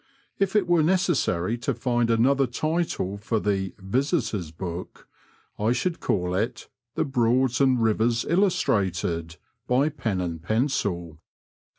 If it were necessary to find another title for the Visitors' Book," I should call it The Broads and Rivers Illustrated by Pen and Pencil."